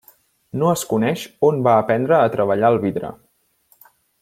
No es coneix on va aprendre a treballar el vidre.